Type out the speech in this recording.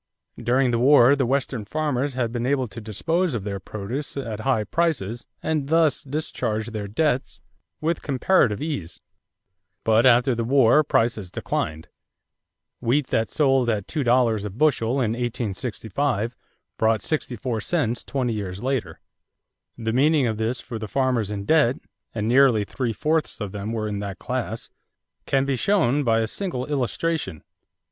During the war, the Western farmers had been able to dispose of their produce at high prices and thus discharge their debts with comparative ease; but after the war prices declined. Wheat that sold at two dollars a bushel in 1865 brought sixty four cents twenty years later. The meaning of this for the farmers in debt and nearly three fourths of them were in that class can be shown by a single illustration.